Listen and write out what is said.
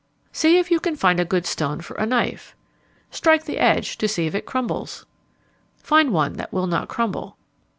_ See if you can find a good stone for a knife. Strike the edge to see if it crumbles. _Find one that will not crumble.